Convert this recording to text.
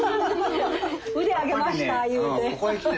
腕上げましたいうて。